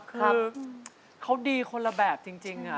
คือเขาดีคนละแบบจริง